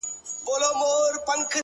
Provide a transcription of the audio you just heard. • پتنګه وایه ته څشي غواړې ,